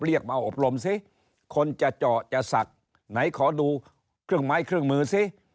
เรียกมาอบรมสิคนจะเจาะจะศักดิ์ไหนขอดูเครื่องไม้เครื่องมือซิ